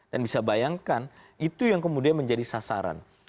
dan bisa bayangkan itu yang kemudian menjadi sasaran